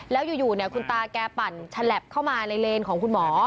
แล้วอยู่เนี่ยคุณตาแกปั่นฉลับเข้ามาในเลนของคุณหมอ